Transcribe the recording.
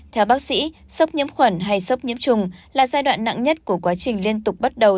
theo bác sĩ sốc nhiễm khuẩn hay sốc nhiễm trùng là giai đoạn nặng nhất của quá trình liên tục bắt đầu